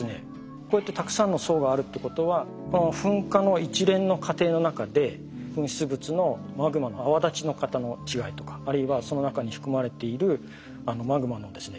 こうやってたくさんの層があるってことは噴火の一連の過程の中で噴出物のマグマの泡立ち方の違いとかあるいはその中に含まれているマグマのですね